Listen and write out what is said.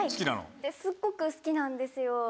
すっごく好きなんですよ。